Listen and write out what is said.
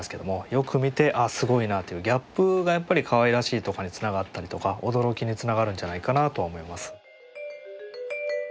よく見てあすごいなというギャップがやっぱりかわいらしいとかにつながったりとか驚きにつながるんじゃないかなとは思います。